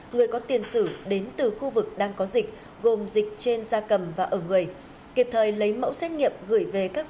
người có tiền sử đến từ khu vực đang có dịch gồm dịch trên gia cầm và ở người